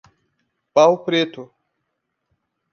Pau preto